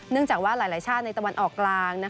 จากว่าหลายชาติในตะวันออกกลาง